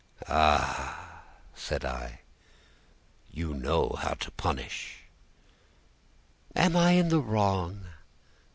"Ah!" said I, "you know how to punish." "Am I in the wrong?"